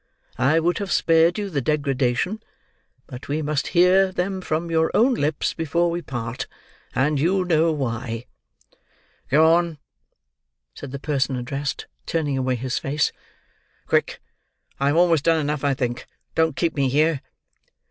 I would have spared you the degradation, but we must hear them from your own lips before we part, and you know why." "Go on," said the person addressed, turning away his face. "Quick. I have almost done enough, I think. Don't keep me here."